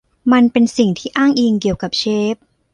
มันเป็นสิ่งที่อ้างอิงเกี่ยวกับเชฟ